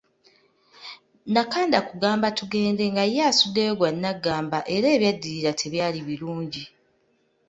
Nakanda kugamba tugende nga ye asuddeyo gwa nagamba era ebyaddirira tebyali birungi.